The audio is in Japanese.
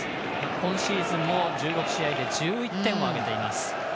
今シーズンも１６試合で１１点を挙げています。